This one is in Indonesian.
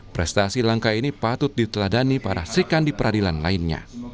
prestasi langkah ini patut diteladani para srikan di peradilan lainnya